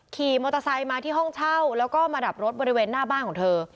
ขี่มอเตอร์ไซค์มาที่ห้องเช่าแล้วก็มาดับรถบริเวณหน้าบ้านของเธอ